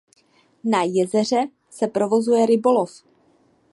Na jezeře se provozuje rybolov.